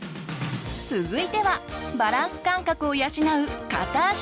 続いてはバランス感覚を養う片足立ち！